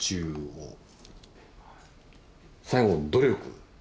最後「努力」。